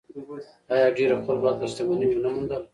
آیا ډیرو خلکو هلته شتمني ونه موندله؟